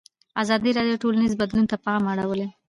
ازادي راډیو د ټولنیز بدلون ته پام اړولی.